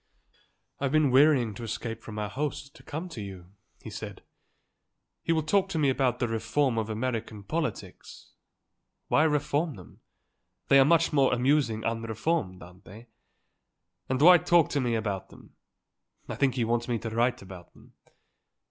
"I've been wearying to escape from our host and come to you," he said. "He will talk to me about the reform of American politics. Why reform them? They are much more amusing unreformed, aren't they? And why talk to me about them. I think he wants me to write about them.